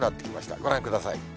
ご覧ください。